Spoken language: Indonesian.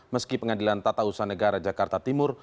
meski pengadilan tata usaha negara jakarta timur